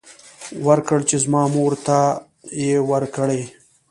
ورکړ چې زما مور ته يې ورکړي.